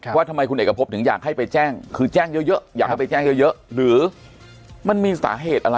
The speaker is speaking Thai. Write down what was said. ค่ะว่าทำไมคุณเอกซ์กระทบถึงอยากให้ไปแจ้งคือแจ้งเยอะเยอะ